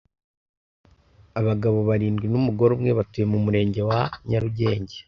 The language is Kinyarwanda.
Abagabo barindwi n’umugore umwe batuye mu murenge wa Nyarugenge